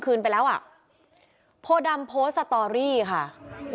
เมื่อวานหลังจากโพดำก็ไม่ได้ออกไปไหน